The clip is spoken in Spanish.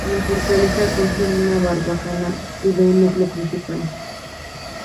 La fortaleza consta de una barbacana y de un núcleo principal.